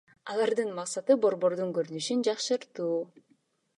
Алардын максаты — борбордун көрүнүшүн жакшыртуу.